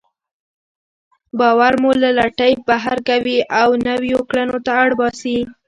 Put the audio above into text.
باور مو له لټۍ بهر کوي او نويو کړنو ته اړ باسي.